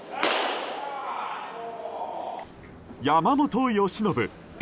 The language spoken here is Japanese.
山本由伸。